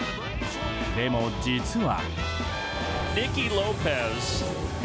でも、実は。